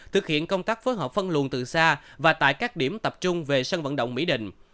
thực hiện công tác phối hợp phân luồng từ xa và tại các điểm tập trung về sân vận động mỹ đình